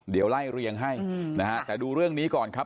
เดี๋ยวไล่เรียงให้นะฮะแต่ดูเรื่องนี้ก่อนครับ